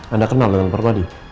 anda kenal dengan permadi